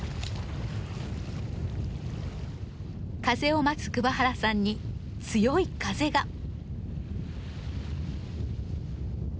風を待つ桑原さんに強い風が。